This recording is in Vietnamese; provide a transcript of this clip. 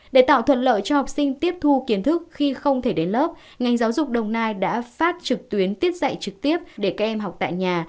để tạo thuận lợi cho học sinh tiếp thu kiến thức khi không thể đến lớp ngành giáo dục đồng nai đã phát trực tuyến tiết dạy trực tiếp để các em học tại nhà